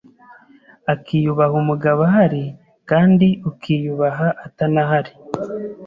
akiyubaha umugabo ahari kandi ukiyubaha atanahari